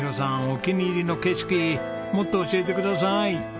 お気に入りの景色もっと教えてください！